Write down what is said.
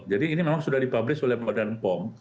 jadi ini memang sudah dipublis oleh badan pom